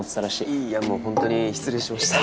いやもう本当に失礼しました。